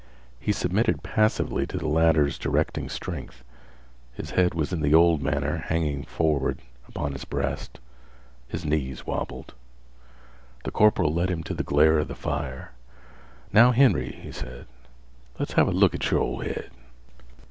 He submitted passively to the latter's directing strength. His head was in the old manner hanging forward upon his breast. His knees wobbled. The corporal led him into the glare of the fire. "Now, Henry," he said, "let's have look at yer ol' head."